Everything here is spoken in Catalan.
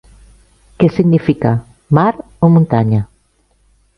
Què significa, mar o muntanya?